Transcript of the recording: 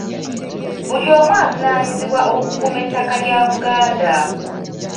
Buli omu avunaanyizibwa okukuuma ettaka lya Buganda.